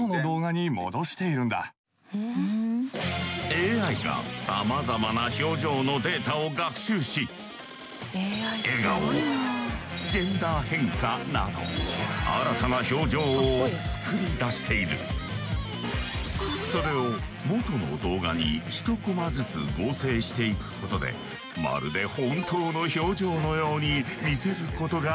ＡＩがさまざまな表情のデータを学習し笑顔ジェンダー変化などそれを元の動画に１コマずつ合成していくことでまるで本当の表情のように見せることができるのだ。